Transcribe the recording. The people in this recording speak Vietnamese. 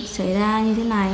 xảy ra như thế này